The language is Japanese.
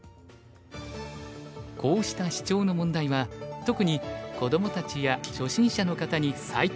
こうしたシチョウの問題は特に子どもたちや初心者の方に最適！